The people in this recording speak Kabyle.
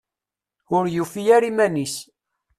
Ur yufi ara iman-is.